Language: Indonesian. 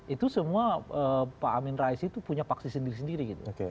itu semua pak amin rais itu punya paksi sendiri sendiri gitu